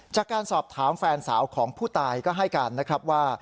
จากการสอบถามแฟนสาวของผู้ตายก็ให้การนะครับว่า